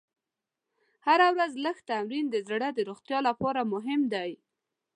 هره ورځ لږ تمرین د زړه د روغتیا لپاره مهم دی.